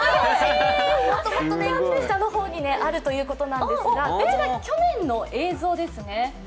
もっともっと下の方にあるということなんですが、こちら去年の映像ですね。